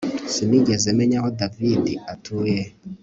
Sinigeze menya aho David atuye